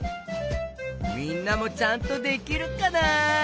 みんなもちゃんとできるかな？